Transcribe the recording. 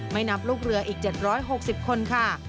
ไม่นับลูกเรืออีก๗๖๐คนค่ะ